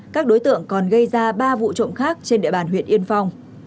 các đối tượng còn gây ra ba vụ trộm khác trên địa bàn huyện yên phong